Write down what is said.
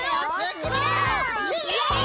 イエイ！